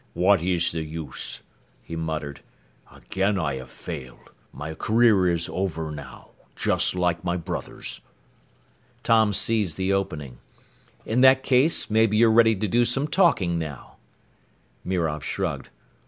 "What is the use?" he muttered. "Again I have failed. My career is over now, just like my brother's." Tom seized the opening. "In that case, maybe you're ready to do some talking now." Mirov shrugged.